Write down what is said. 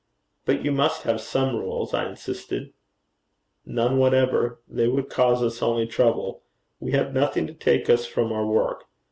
'But you must have some rules,' I insisted. 'None whatever. They would cause us only trouble. We have nothing to take us from our work.